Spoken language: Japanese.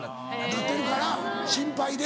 なってるから心配で。